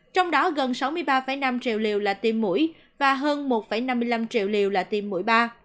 trong đó gần sáu mươi ba năm triệu liều là tiêm mũi và hơn một năm mươi năm triệu liều là tiêm mũi ba